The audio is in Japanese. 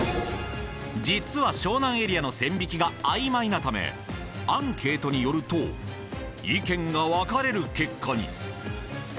実は湘南エリアの線引きが曖昧なためアンケートによると意見が分かれる結果に。